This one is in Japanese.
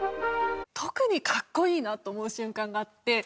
特にかっこいいなと思う瞬間があって。